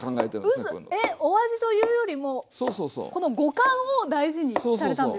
うそ⁉えっお味というよりもこの語感を大事にされたんですか？